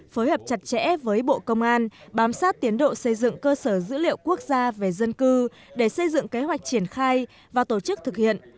phối hợp chặt chẽ với bộ công an bám sát tiến độ xây dựng cơ sở dữ liệu quốc gia về dân cư để xây dựng kế hoạch triển khai và tổ chức thực hiện